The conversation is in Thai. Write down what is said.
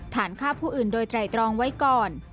ฐานฆ่าผู้อื่นโดยไตรตรองไว้ก่อน